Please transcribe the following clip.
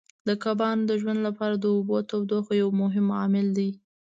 د کبانو د ژوند لپاره د اوبو تودوخه یو مهم عامل دی.